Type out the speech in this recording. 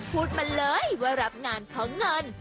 พูดมาเลยว่ารับงานของเงิน